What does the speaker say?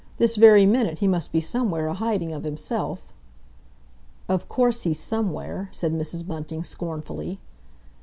This very minute he must be somewhere a hiding of himself." "Of course he's somewhere," said Mrs. Bunting scornfully.